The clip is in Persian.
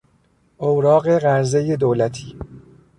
اوراق قرضهی دولتی